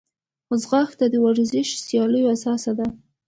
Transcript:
ځغاسته د ورزشي سیالیو اساس ده